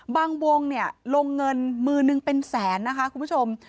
วงเนี่ยลงเงินมือหนึ่งเป็นแสนนะคะคุณผู้ชม